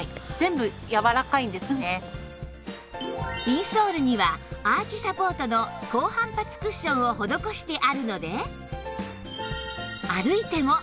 インソールにはアーチサポートの高反発クッションを施してあるので